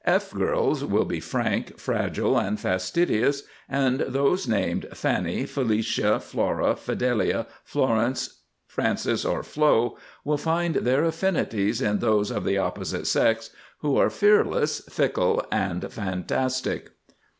F girls will be Frank, Fragile, and Fastidious, and those named Fanny, Felicia, Flora, Fidelia, Florence, Frances, or Flo will find their affinities in those of the opposite sex who are Fearless, Fickle, and Fantastic.